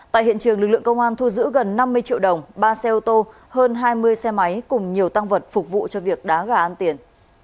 tại hiện trường lực lượng công an thu giữ gần năm mươi triệu đồng ba xe ô tô hơn hai mươi xe máy cùng nhiều tăng vật phục vụ cho việc đá gà ăn tiền